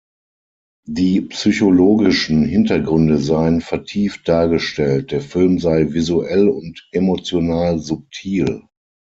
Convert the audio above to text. Die psychologischen Hintergründe seien vertieft dargestellt, der Film sei „"visuell und emotional subtil"“.